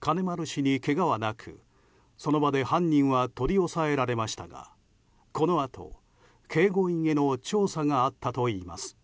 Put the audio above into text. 金丸氏にけがはなく、その場で犯人は取り押さえられましたがこのあと警護員への調査があったといいます。